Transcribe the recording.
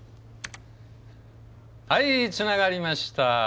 はいつながりました。